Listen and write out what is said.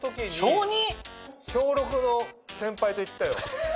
小２⁉小６の先輩と行ったよ。